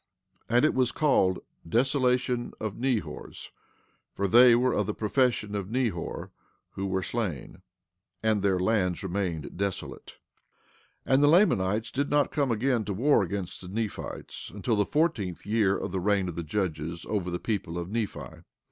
And it was called Desolation of Nehors; for they were of the profession of Nehor, who were slain; and their lands remained desolate. 16:12 And the Lamanites did not come again to war against the Nephites until the fourteenth year of the reign of the judges over the people of Nephi.